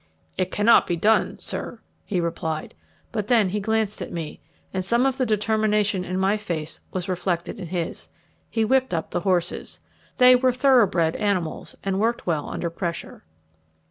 "It cannot be done, sir," he replied; but then he glanced at me, and some of the determination in my face was reflected in his. He whipped up the horses. They were thoroughbred animals, and worked well under pressure.